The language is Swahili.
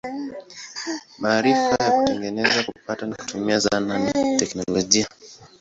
Maarifa ya kutengeneza, kupata na kutumia zana ni teknolojia.